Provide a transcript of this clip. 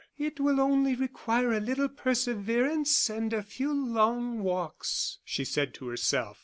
"It will only require a little perseverance and a few long walks," she said to herself.